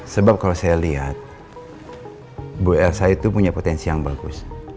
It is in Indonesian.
sebab kalau saya lihat bu elsa itu punya potensi yang bagus